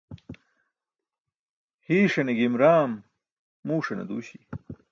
Hiiṣaṅe gim raam muuṣane duuśi.